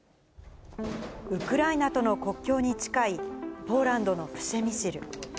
ウクライナとの国境に近いポーランドのプシェミシル。